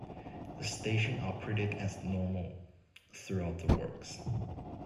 The station operated as normal throughout the works.